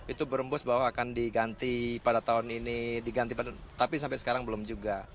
itu berembus bahwa akan diganti pada tahun ini diganti tapi sampai sekarang belum juga